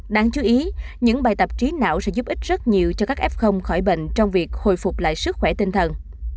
đáng chú ý những bài tập trí não sẽ giúp ích rất nhiều cho các f khỏi bệnh trong việc hồi phục lại sức khỏe tinh thần